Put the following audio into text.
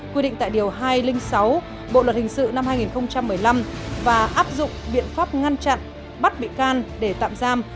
quy định tại điều hai trăm linh sáu bộ luật hình sự năm hai nghìn một mươi năm và áp dụng biện pháp ngăn chặn bắt bị can để tạm giam